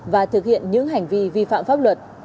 và thực hiện những hành vi vi phạm pháp luật